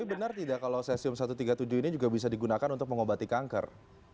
tapi benar tidak kalau cesium satu ratus tiga puluh tujuh ini juga bisa digunakan untuk mengobati kanker